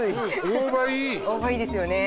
大葉いいですよね